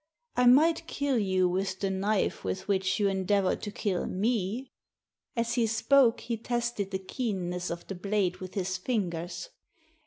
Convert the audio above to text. I might kill you with the knife with which you endeavoured to kill me." As he spoke, he tested the keenness of the blade with his fingers.